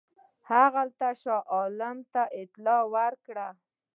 هغه شاه عالم ته اطلاع ورکړه.